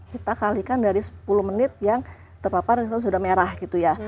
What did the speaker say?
kita kalikan dari sepuluh menit yang terpapar itu sudah merah gitu ya